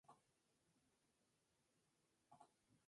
Junto con Rivas fue ordenado Carlos Mugica.